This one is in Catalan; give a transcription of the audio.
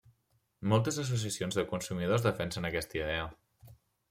Moltes associacions de consumidors defensen aquesta idea.